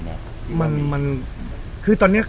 แนวทางการรักษาอะไรอย่างงี้ไม่เกี่ยวกับคุณน้องมีไหม